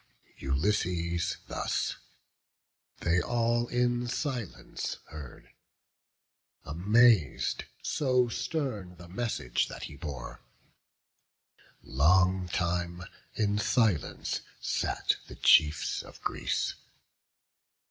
Ulysses thus; they all in silence heard, Amaz'd, so stern the message that he bore. Long time in silence sat the chiefs of Greece.